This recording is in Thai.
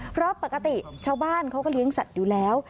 เพราะปกติชาวบ้านเขาก็เลี้ยงสัตว์อยู่แล้ว